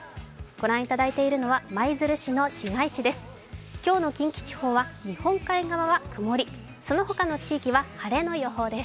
御覧いただいているのは、舞鶴市の市街地です。